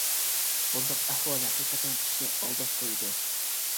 بۇنداق ئەھۋال ھەقىقەتەن كىشىنى ئالداپ قۇيىدۇ.